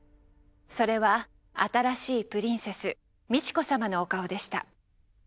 それは新しいプリンセス美智子さまのお顔でした。